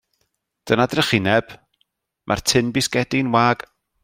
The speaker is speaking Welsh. Dyna drychineb, mae'r tin bisgedi yn wag.